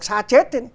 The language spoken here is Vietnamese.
xa chết thế